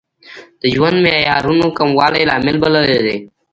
د ژوند معیارونو کموالی لامل بللی دی.